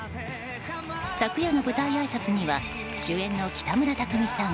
昨夜の舞台あいさつには主演の北村匠海さん